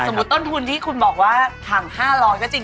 ต้นทุนที่คุณบอกว่าถัง๕๐๐ก็จริง